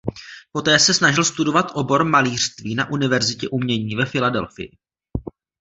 Poté se snažil studovat obor malířství na Univerzitě umění ve Philadelphii.